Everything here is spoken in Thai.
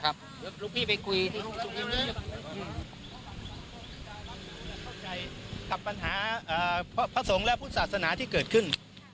กับปัญหาอ่าพระสงสัยและภุษฌาสนาที่เกิดขึ้น